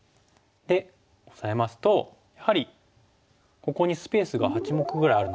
でオサえますとやはりここにスペースが８目ぐらいあるの分かりますかね。